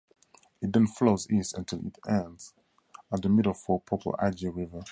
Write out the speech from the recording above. It then flows east until its end at the Middle Fork Popo Agie River.